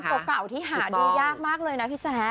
เป็นภาพประเป๋าที่หาดูยากมากเลยนะพี่แจ๊ก